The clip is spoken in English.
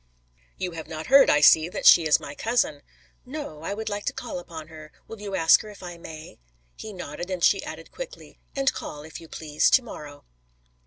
"You have not heard, I see, that she is my cousin." "No. I would like to call upon her. Will you ask her if I may?" He nodded and she added quickly, "And call, if you please, to morrow."